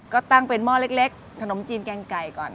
ก็ตั้งเป็นหม้อเล็กขนมจีนแกงไก่ก่อน